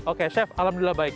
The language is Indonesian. oke chef alhamdulillah baik